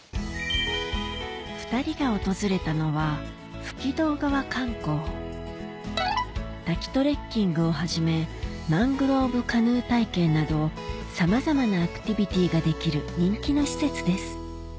２人が訪れたのは滝トレッキングをはじめマングローブカヌー体験などさまざまなアクティビティーができる人気の施設です